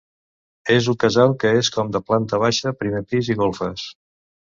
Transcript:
És un casal que és com de planta baixa, primer pis i golfes.